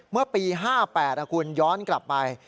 เมื่อปี๕๘คุณย้อนกลับไป